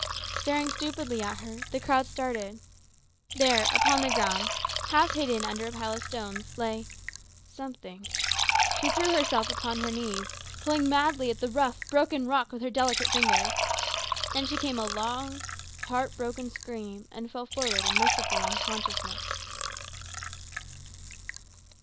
Staring stupidly at her, the crowd separated. There upon the ground, half hidden under a pile of stones, lay something. She threw herself upon her knees, pulling madly at the rough, broken rock with her delicate fingers. Then she gave a long, heart broken scream and fell forward in merciful unconsciousness.